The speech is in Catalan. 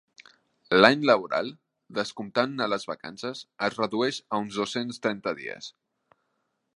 L'any laboral, descomptant-ne les vacances, es redueix a uns dos-cents trenta dies.